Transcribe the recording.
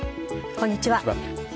こんにちは。